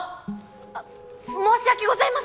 あ申し訳ございません！